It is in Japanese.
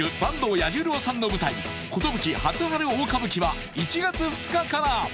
彌十郎さんの舞台「壽初春大歌舞伎」は１月２日から！